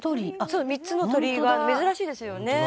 「そう３つの鳥居があるの珍しいですよね。